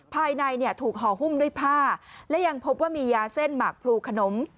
ภายในเนี่ยถูกห่อหุ้มด้วยผ้าและยังพบว่ามียาเส้นหมากพลูขนม